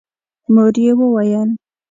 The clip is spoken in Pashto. مور يې وويل: